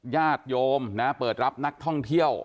ญาติโยมเปิดรับนักท่องเที่ยว